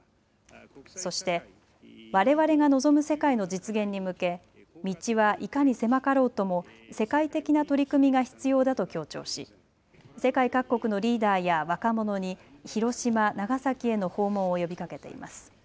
そして、われわれが望む世界の実現に向け、道はいかに狭かろうとも、世界的な取り組みが必要だと強調し、世界各国のリーダーや若者に、広島・長崎への訪問を呼びかけています。